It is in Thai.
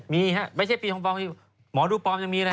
มีครับมีไม่ใช่ปีชงปลอมหมอรูปลอมยังมีนะฮะ